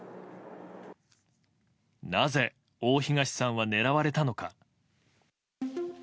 なぜ、大東さんは狙われたのか。